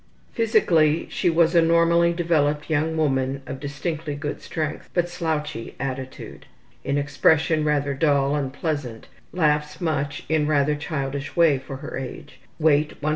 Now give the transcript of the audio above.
Physically she was a normally developed young woman of distinctly good strength, but slouchy attitude. In expression rather dull and pleasant; laughs much in rather childish way for her age. Weight, 110 lbs.